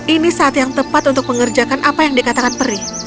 ini saat yang tepat untuk mengerjakan apa yang dikatakan perih